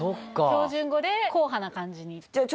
標準語で硬派な感じにじゃあ